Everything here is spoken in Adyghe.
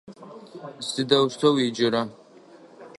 Сыдэущтэу уеджэра?